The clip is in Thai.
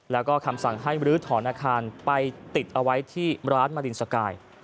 แล้วก็คำสั่งให้มรื้อถอนอาคารไปติดเอาไว้ที่ร้านมารินสกาย